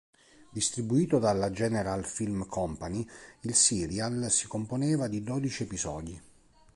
Distribuito dalla General Film Company, il serial si componeva di dodici episodi.